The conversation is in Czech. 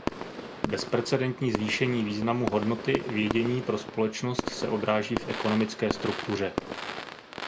Bezprecedentní zvýšení významu hodnoty vědění pro společnost se odráží v ekonomické struktuře.